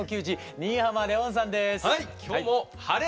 新浜レオンです。